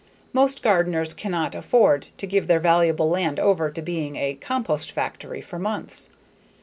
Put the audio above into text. Most gardeners cannot afford to give their valuable land over to being a compost factory for months.